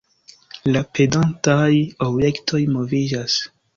La pendantaj objektoj moviĝas.